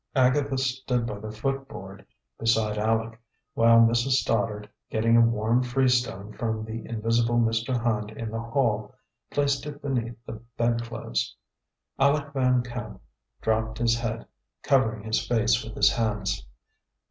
Agatha stood by the footboard beside Aleck, while Mrs. Stoddard, getting a warm freestone from the invisible Mr. Hand in the hall, placed it beneath the bedclothes. Aleck Van Camp dropped his head, covering his face with his hands.